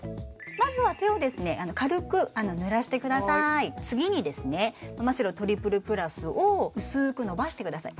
まずは手をですね軽く濡らしてください次にですねマ・シロトリプルプラスを薄くのばしてください